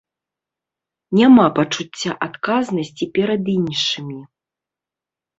Няма пачуцця адказнасці перад іншымі.